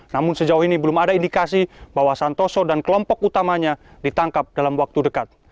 namun sejauh ini belum ada indikasi bahwa santoso dan kelompok utamanya ditangkap dalam waktu dekat